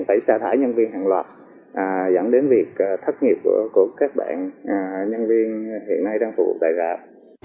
phải xa thải nhân viên hàng loạt dẫn đến việc thất nghiệp của các bạn nhân viên hiện nay đang phục vụ tại gạo